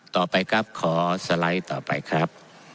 ต่อไปครับขอสไลด์ต่อไปครับ